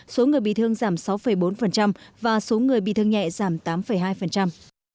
số người bị thương giảm sáu bốn và số người bị thương nhẹ giảm tám hai